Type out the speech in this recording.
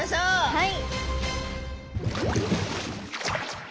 はい。